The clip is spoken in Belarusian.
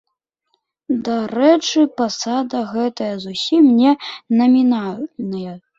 Дарэчы, пасада гэтая зусім не намінальная.